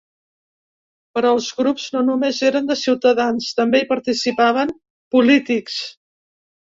Però els grups no només eren de ciutadans, també hi participaven polítics.